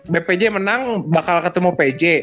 bpj menang bakal ketemu pj